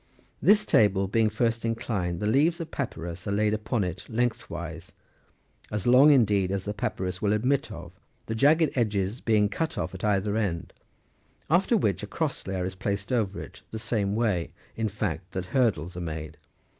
19 This table being first inclined,20 the leaves of papyrus are laid upon it lengthwise, as long, indeed, as the papyrus will admit of, the jagged edges being cut off at either end ; after which a cross layer is placed over it, the same way, in fact, that hurdles are made.